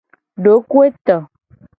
Dokoeto.